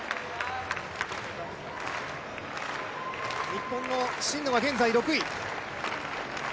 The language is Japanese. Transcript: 日本の真野が現在６位。